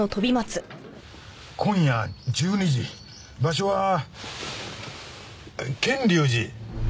今夜１２時場所は賢隆寺。